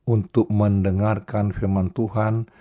untuk mendengarkan firman tuhan